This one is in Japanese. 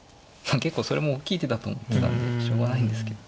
結構それも大きい手だと思ってたんでしょうがないんですけど。